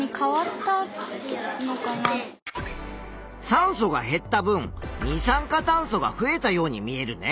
酸素が減った分二酸化炭素が増えたように見えるね。